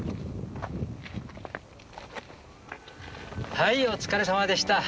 はいお疲れさまでした。